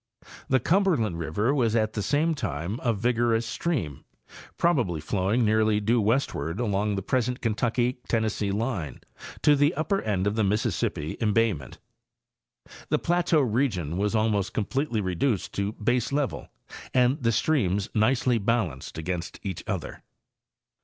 The Cumberland river was at the same time a vigorous stream, prob ably flowing nearly due westward along the present Kentucky Tennessee line to the upper end of the Mississippi embayment. The plateau region was almost completely reduced to baselevel and the streams nicely balanced against each other.